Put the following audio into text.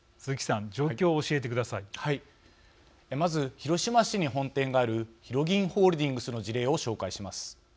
まず広島市に本店があるひろぎんホールディングスの事例を紹介します。